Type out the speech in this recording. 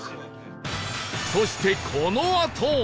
そしてこのあと